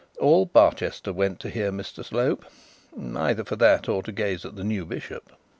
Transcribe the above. All Barchester went to hear Mr Slope; either for that or to gaze at the new bishop.